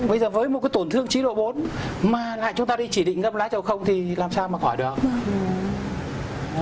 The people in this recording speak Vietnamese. bây giờ với một cái tổn thương chế độ bốn mà lại chúng ta đi chỉ định ngâm lá chầu không thì làm sao mà khỏi được